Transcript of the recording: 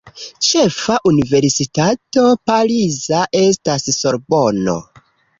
Ĉefa universitato pariza estas Sorbono.